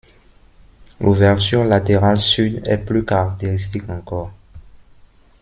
L'ouverture latérale sud est plus caractéristique encore.